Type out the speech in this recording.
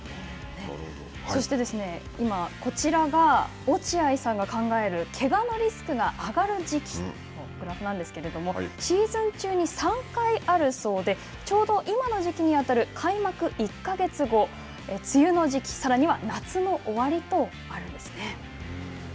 そして、今こちらが落合さんが考えるけがのリスクが上がる時期のグラフなんですけれどもシーズン中に３回あるそうでちょうど今の時期に当たる開幕１か月後梅雨の時期さらには夏の終わりとあるんですね。